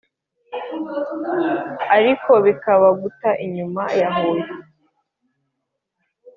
ariko bikaba guta inyuma ya huye!